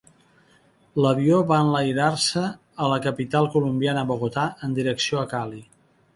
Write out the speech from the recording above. L"avió va enlairar-se a la capital colombiana Bogotá en direcció a Cali.